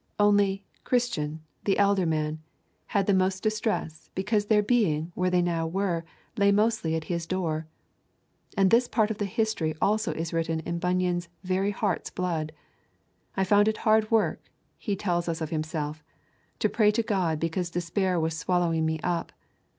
Only, Christian, the elder man, had the most distress because their being where they now were lay mostly at his door. All this part of the history also is written in Bunyan's very heart's blood. 'I found it hard work,' he tells us of himself, 'to pray to God because despair was swallowing me up.